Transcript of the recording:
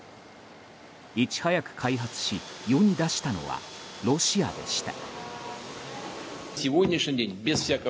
いち早く開発し世に出したのはロシアでした。